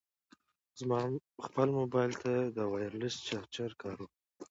زه خپل مبایل ته د وایرلیس چارجر کاروم.